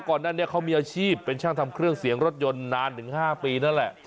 ก่อนหน้านี้เขามีอาชีพเป็นช่างทำเครื่องเสียงรถยนต์นานถึง๕ปีนั่นแหละ